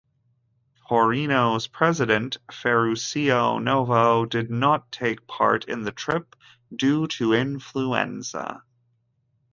Torino's president, Ferruccio Novo, did not take part in the trip due to influenza.